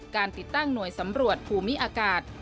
การติดตั้งหน่วยสำรวจภูมิอากาศ